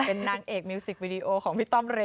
เป็นนางเอกมิวสิกวิดีโอของพี่ต้อมเร